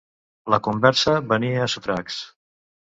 La conversa venia a sotracs.